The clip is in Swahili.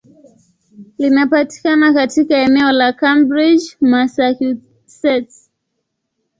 Linapatikana katika eneo la Cambridge, Massachusetts.